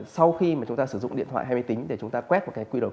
sau khi chúng ta sử dụng điện thoại hay máy tính để quét qr